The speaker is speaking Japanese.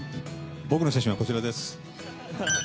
僕の写真は、こちらです。